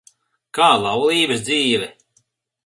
Kā laulības dzīve?